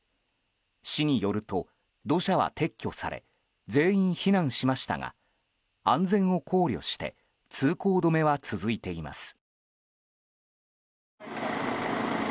市によると、土砂は撤去され全員避難しましたが安全を考慮して通行止めは続いています。